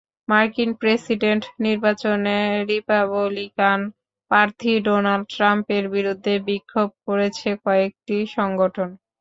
মার্কিন প্রেসিডেন্ট নির্বাচনে রিপাবলিকান প্রার্থী ডোনাল্ড ট্রাম্পের বিরুদ্ধে বিক্ষোভ করেছে কয়েকটি সংগঠন।